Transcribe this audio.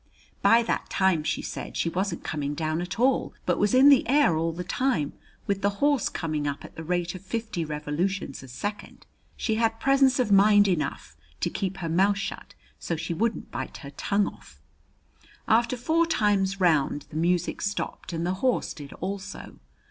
By that time, she said, she wasn't coming down at all, but was in the air all the time, with the horse coming up at the rate of fifty revolutions a second. She had presence of mind enough to keep her mouth shut so she wouldn't bite her tongue off. After four times round the music stopped and the horse did also.